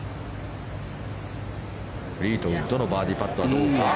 フリートウッドのバーディーパットはどうか。